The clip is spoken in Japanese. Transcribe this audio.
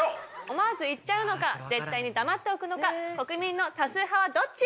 思わず言っちゃうのか絶対に黙っておくのか国民の多数派はどっち？